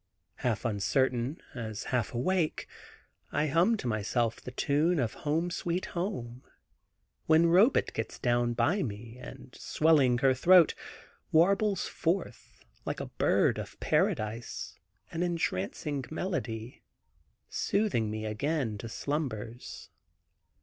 Half uncertain, as half awake, I hum to myself the tune of "Home, Sweet Home," when Robet gets down by me and swelling her throat, warbles forth, like a bird of paradise, an entrancing melody, soothing me again to slumbers.